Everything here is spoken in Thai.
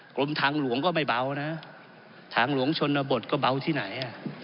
กรมทางหลวงก็ไม่เบานะทางหลวงชนบทก็เบาที่ไหน